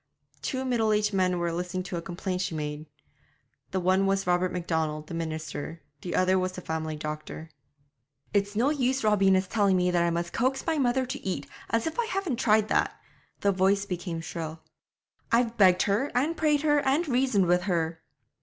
Two middle aged men were listening to a complaint she made; the one was Robert Macdonald the minister, the other was the family doctor. 'It's no use Robina's telling me that I must coax my mother to eat, as if I hadn't tried that' the voice became shrill 'I've begged her, and prayed her, and reasoned with her.'